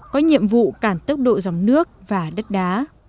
có nhiệm vụ cản tốc độ dòng nước và đất đá